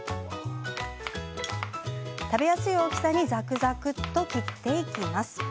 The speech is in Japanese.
食べやすい大きさにザクザクっと切っていきます。